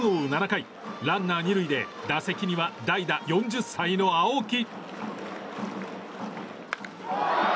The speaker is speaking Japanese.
７回ランナー２塁で打席には代打、４０歳の青木。